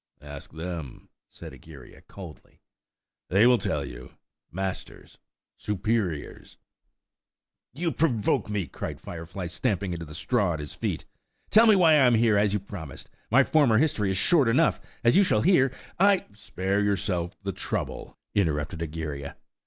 "Ask them," said Egeria coldly. "They will tell you–masters, superiors." "You provoke me," cried Firefly, stamping into the straw at his feet. "Tell me why I am here, as you promised. My former history is short enough, as you shall hear. I–" "Spare yourself the trouble," interrupted Egeria.